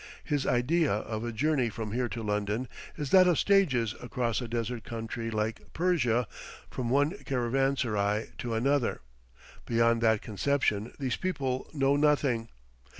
His idea of a journey from here to London is that of stages across a desert country like Persia from one caravanserai to another; beyond that conception these people know nothing.